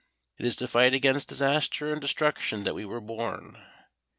It is to fight against disaster and destruction that we were born.